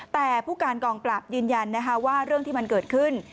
แต่ผู้การกองปราบยืนยันว่าเรื่องที่มันเกิดขึ้น